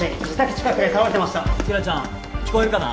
聞こえるかな。